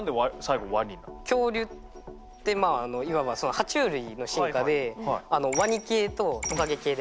恐竜っていわばは虫類の進化でワニ系とトカゲ系で分かれるんですよ。